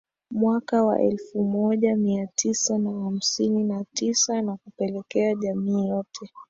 mwaka wa elfu moja Mia Tisa na hamsini na tisa na kupelekea jamii yote